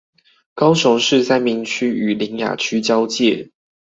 高雄市三民區與苓雅區交界